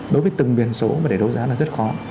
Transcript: đối với từng biển số mà để đấu giá là rất khó